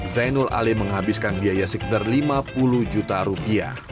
zainul ali menghabiskan biaya sekitar rp lima puluh